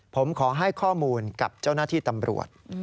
ผมขอให้ข้อมูลกับเจ้าหน้าที่ตำรวจ